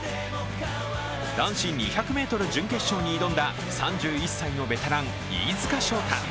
男子２００ｍ準決勝に挑んだ３１歳のベテラン、飯塚翔太。